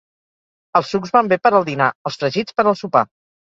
Els sucs van bé per al dinar. Els fregits per al sopar.